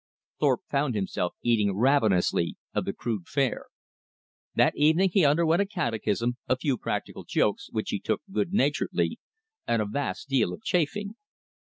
Thorpe found himself eating ravenously of the crude fare. That evening he underwent a catechism, a few practical jokes, which he took good naturedly, and a vast deal of chaffing.